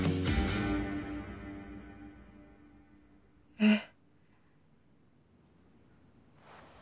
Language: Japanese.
えっ。